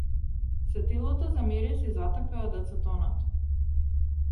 Сетилото за мирис ѝ затапе од ацетонот.